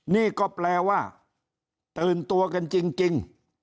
นี่ก็แปลว่าตื่นตัวกันจริง